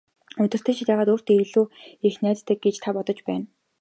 Удирдагчид яагаад өөртөө илүү их найддаг гэж та бодож байна?